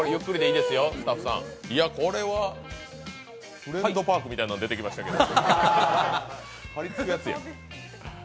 「フレンドパーク」みたいの出てきましたけど。